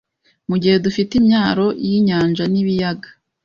mu gihe dufite imyaro y'inyanja n'ibiyaga